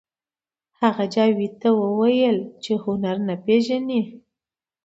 هغه جاوید ته وویل چې هنر نه پېژنئ